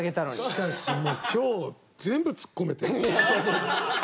しかしもう今日全部ツッコめてる。